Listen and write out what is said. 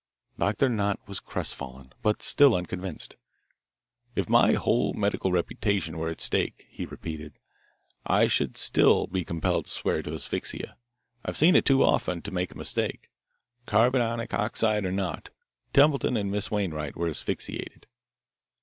Doctor Nott was crestfallen, but still unconvinced. "If my whole medical reputation were at stake," he repeated, "I should still be compelled to swear to asphyxia. I've seen it too often, to make a mistake. Carbonic oxide or not, Templeton and Miss Wainwright were asphyxiated."